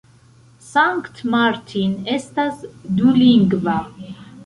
Sankt Martin estas dulingva.